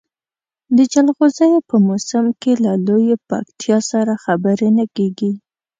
د جلغوزیو په موسم کې له لویې پکتیا سره خبرې نه کېږي.